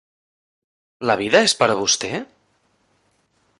La vida és per a vostè?